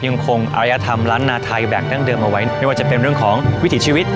คงอารยธรรมล้านนาไทยแบบดั้งเดิมเอาไว้ไม่ว่าจะเป็นเรื่องของวิถีชีวิต